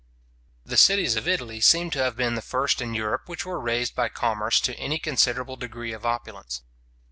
The cities of Italy seem to have been the first in Europe which were raised by commerce to any considerable degree of opulence.